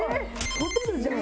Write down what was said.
ホテルじゃん！